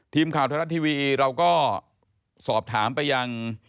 ทีมข่าวธรรมชีวิตทหารัชทวีบีเราก็สอบถามไปยัง